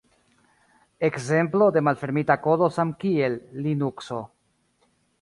Ekzemplo de malfermita kodo samkiel Linukso.